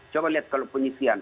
coba lihat kalau penyisihan